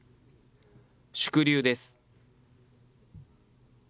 縮流です。